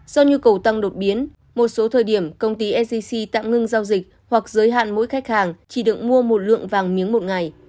do nhu cầu tăng đột biến một số thời điểm công ty sgc tạm ngưng giao dịch hoặc giới hạn mỗi khách hàng chỉ được mua một lượng vàng miếng một ngày